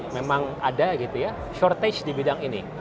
memang ada shortage di bidang ini